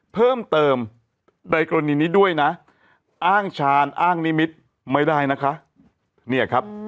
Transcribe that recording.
เพิ่มเติมในกรณีนี้ด้วยนะอ้างชาญอ้างนิมิตรไม่ได้นะคะเนี่ยครับ